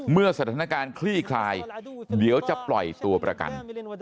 เมื่อสถานการณ์คลี่คลายเดี๋ยวจะปล่อยตัวประกัน